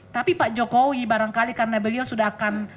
tapi pak jokowi barangkali karena beliau sudah akan